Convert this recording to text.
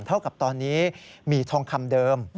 เท่ากับตอนนี้มีทองคำเดิม